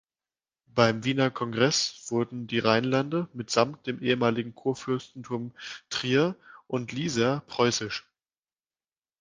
Beim Wiener Kongress wurden die Rheinlande mitsamt dem ehemaligen Kurfürstentum Trier und Lieser preußisch.